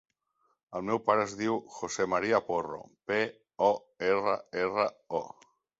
El meu pare es diu José maria Porro: pe, o, erra, erra, o.